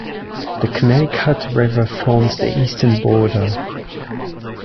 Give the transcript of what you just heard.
The Connecticut River forms the eastern border.